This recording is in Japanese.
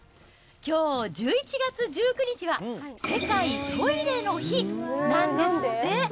きょう１１月１９日は、世界トイレの日なんですって。